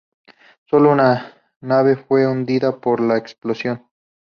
Sólo una nave fue hundida por la explosión.